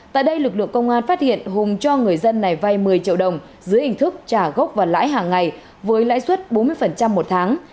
tại đây lực lượng công an phát hiện hùng cho người dân này vay một mươi triệu đồng dưới hình thức trả gốc và lãi hàng ngày với lãi suất bốn mươi một tháng